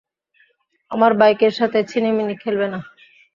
আমার বাইকের সাথে ছিনিমিনি খেলবে না।